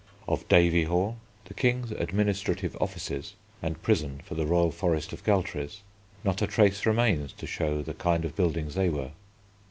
Of Davy Hall, the King's administrative offices and prison for the Royal Forest of Galtres, not a trace remains to show the kind of buildings they were.